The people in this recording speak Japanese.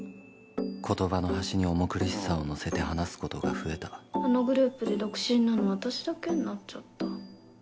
言葉の端に重苦しさをのせて話すことが増えたこのグループで独身なの私だけになっちゃった。